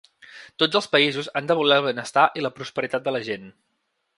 Tots els països han de voler el benestar i la prosperitat de la gent.